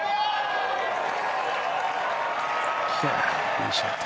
いいショット。